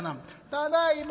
「ただいま。